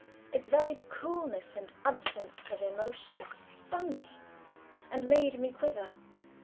Its very coolness and absence of emotion stung me and made me quiver.